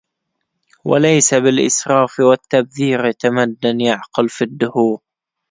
وليس بالإسراف والتبذيرِ تمدن يعقل في الدهورِ